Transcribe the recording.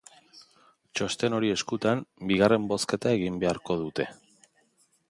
Txosten hori eskutan, bigarren bozketa egin beharko dute.